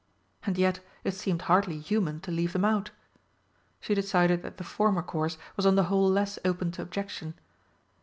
And yet it seemed hardly human to leave them out. She decided that the former course was on the whole less open to objection.